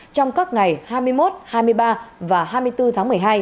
trong các ngày hai mươi một hai mươi ba và hai mươi bốn tháng một mươi hai